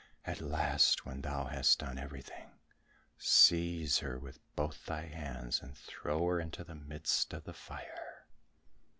At last when thou hast done everything, seize her with both thy hands, and throw her into the midst of the fire."